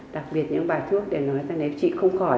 đặc biệt những bài thuốc để nói là nếu trị không khỏi